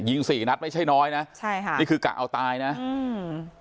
สี่นัดไม่ใช่น้อยนะใช่ค่ะนี่คือกะเอาตายนะอืม